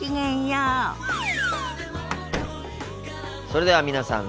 それでは皆さん